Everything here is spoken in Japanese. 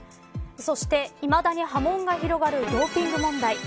そして、いまだに波紋が広がるドーピング問題。